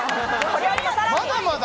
まだまだ？